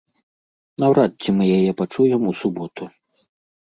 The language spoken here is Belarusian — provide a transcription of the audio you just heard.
Наўрад ці мы яе пачуем у суботу.